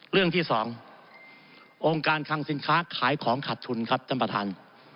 เรื่องที่๒องค์การคังสินค้าขายของขาดทุนครับท่านประธาน